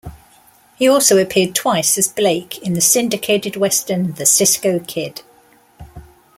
He also appeared twice as Blake in the syndicated western "The Cisco Kid".